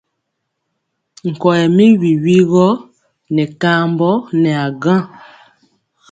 Nkɔyɛ mi wiwi gɔ nɛ kambɔ nɛ a gaŋ.